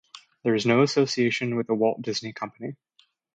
There is no association with the Walt Disney Company.